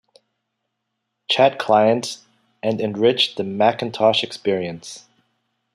Chat clients and enrich the Macintosh experience.